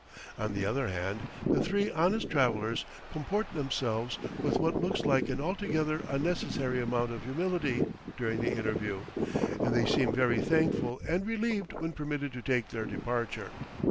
On the other hand, the three honest travellers comport themselves with what looks like an altogether unnecessary amount of humility during the interview, and they seem very thankful and relieved when permitted to take their departure.